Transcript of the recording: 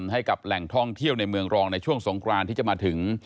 ให้กับแหล่งท่องเที่ยวในเมืองรองในช่วงสงครานที่จะมาถึง